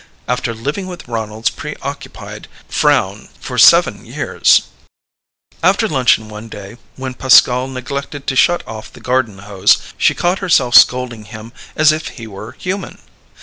After living with Ronald's preoccupied frown for seven years ... After luncheon one day, when Pascal neglected to shut off the garden hose, she caught herself scolding him as if he were human.